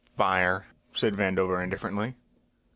"Fire," said Vandover indifferently.